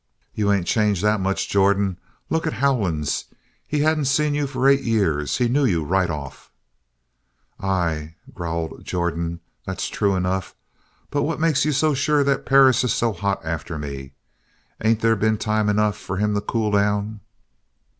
"You ain't changed that much, Jordan. Look at Howlands. He hadn't seen you for eight years. He knew you right off." "Ay," growled Jordan. "That's true enough. But what makes you so sure that Perris is so hot after me. Ain't there been time enough for him to cool down?"